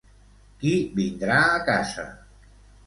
Qui vindrà a casa?